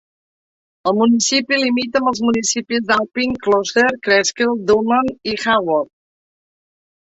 El municipi limita amb els municipis d'Alpine, Closter, Cresskill, Dumont i Haworth.